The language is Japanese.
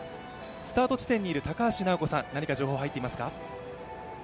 スタート地点にいる高橋尚子さん、何か情報は入っていますか。